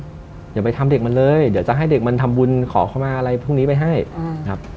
อย่าไปทำเด็กมันเลยเดี๋ยวจะให้เด็กมันทำบุญขอเข้ามาอะไรพวกนี้ไปให้ครับ